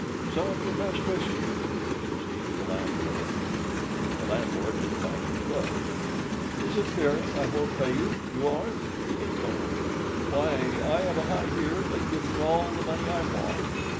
"Some of your best whisky," says he to the landlord. But the landlord didn't like his looks. "Is it fearing I won't pay you, you are?" says Donald; "why, I have a hide here that gives me all the money I want."